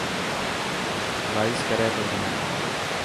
وائس ڪري پيو منا.